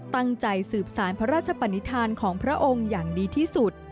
ตั้งใจสืบสารพระราชปนิษฐานของพระองค์อย่างดีที่สุด